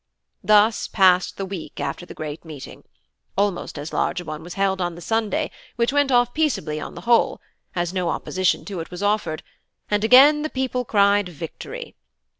Thus passed the week after the great meeting; almost as large a one was held on the Sunday, which went off peaceably on the whole, as no opposition to it was offered, and again the people cried 'victory.'